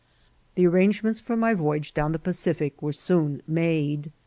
The arrangements for my voyage down the Pacific were soon made.